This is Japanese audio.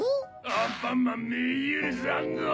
・アンパンマンめ！ゆるさんぞ！